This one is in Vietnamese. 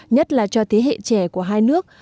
nhất là cho thế hệ trẻ của hai nước